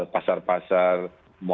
pasar pasar mal di mana